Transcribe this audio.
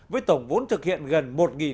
với tổng vốn thực hiện gần